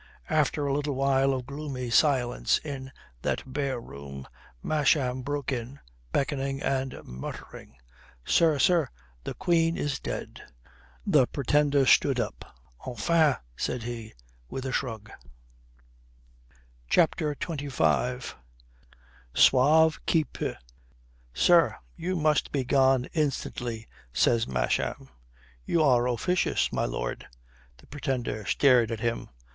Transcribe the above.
After a little while of gloomy silence in that bare room, Masham broke in, beckoning and muttering: "Sir, sir, the Queen is dead." The Pretender stood up. "Enfin" said he, with a shrug. CHAPTER XXV SAUVE QUI PEUT "Sir, you must be gone instantly," says Masham. "You are officious, my lord." The Pretender stared at him.